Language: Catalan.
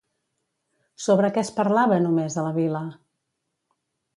Sobre què es parlava només a la vila?